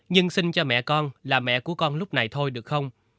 nhưng sinh cho mẹ con là mẹ của con lúc này thôi được không